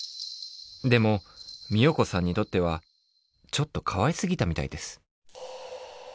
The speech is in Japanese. でも美代子さんにとってはちょっとかわいすぎたみたいです。